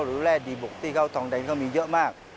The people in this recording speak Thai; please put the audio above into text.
หรือแร่ดีบุกที่เขาทองแดงเขามีเยอะมาก